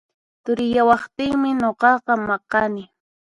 Turiyawaqtinmi nuqaqa maqani